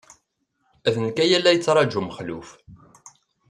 D nekk ay la yettṛaju Mexluf.